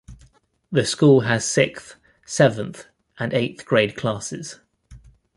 The school has sixth, seventh, and eighth grade classes.